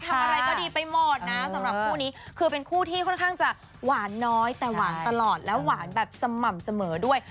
ทำอะไรก็ดีไปหมดนะสำหรับคู่นี้คือเป็นคู่ที่ค่อนข้างจะหวานน้อยแต่หวานตลอดแล้วหวานแบบสม่ำเสมอด้วย